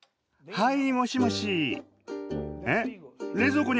はい。